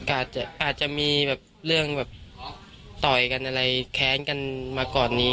อาจจะมีแบบเรื่องแบบต่อยกันอะไรแค้นกันมาก่อนนี้